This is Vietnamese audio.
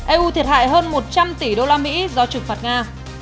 eu thiệt hại hơn một trăm linh tỷ đô la mỹ do trừng phạt nga